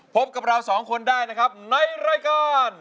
พบกับเราสองคนได้นะครับในรายการ